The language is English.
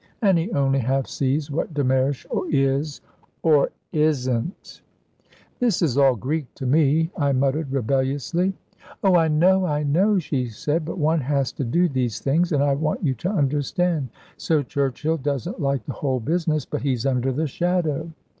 And he only half sees what de Mersch is or isn't." "This is all Greek to me," I muttered rebelliously. "Oh, I know, I know," she said. "But one has to do these things, and I want you to understand. So Churchill doesn't like the whole business. But he's under the shadow.